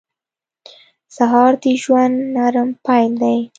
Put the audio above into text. سهار د ژوند نرم پیل دی.